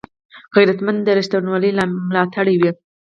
غیرتمند د رښتینولۍ ملاتړی وي